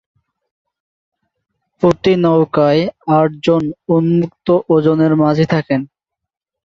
প্রতি নৌকায় আট জন উন্মুক্ত ওজনের মাঝি থাকেন।